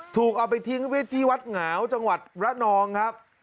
ถูกเอาไปทิ้งไว้ที่วัดหงาวจังหวัดระนองครับ